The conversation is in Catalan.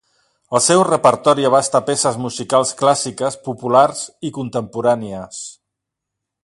El seu repertori abasta peces musicals clàssiques, populars i contemporànies.